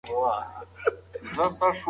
پوهه مینه ژوندۍ ساتي.